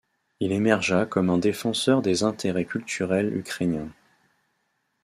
Il émergea comme un défenseur des intérêts culturels ukrainiens.